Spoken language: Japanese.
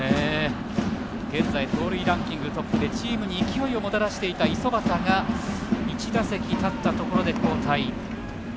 現在盗塁ランキングトップでチームに勢いをもたらしていた五十幡が１打席、立ったところで交代。